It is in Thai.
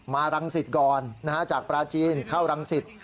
มารังสิทธิ์ก่อนนะฮะจากปราชีนเข้ารังสิทธิ์